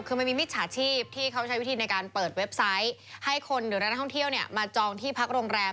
คือมันมีมิจฉาชีพที่เขาใช้วิธีในการเปิดเว็บไซต์ให้คนหรือนักท่องเที่ยวมาจองที่พักโรงแรม